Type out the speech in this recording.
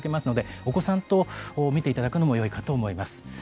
お子さんと見ていただくのもよいかと思います。